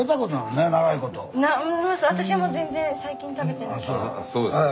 私も全然最近食べてない。